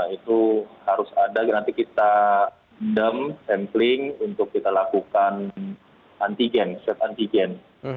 itu harus ada nanti kita dem sampling untuk kita lakukan antigen swab antigen